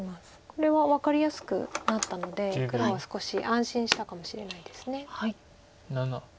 これは分かりやすくなったので黒は少し安心したかもしれないです。